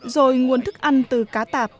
rồi nguồn thức ăn từ cá tạp